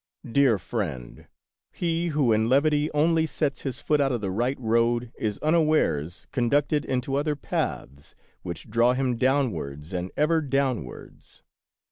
Dear friend, he who in levity only sets his foot out of the right road is unawares conducted into other paths which draw him downwards and ever down wards.